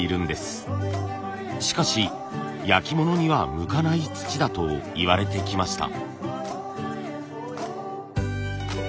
しかし焼き物には向かない土だといわれてきました。